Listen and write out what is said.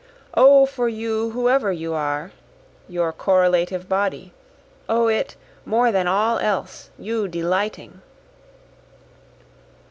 O for you whoever you are your correlative body! O it, more than all else, you delighting!)